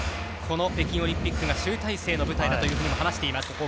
この北京オリンピックが集大成の舞台だと話しています。